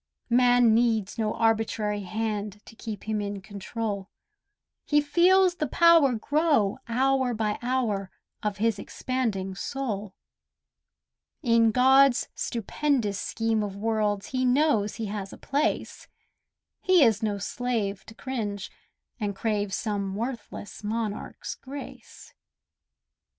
Man needs no arbitrary hand To keep him in control; He feels the power grow hour by hour Of his expanding soul: In God's stupendous scheme of worlds He knows he has a place; He is no slave to cringe, and crave Some worthless monarch's grace.